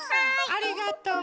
ありがとう。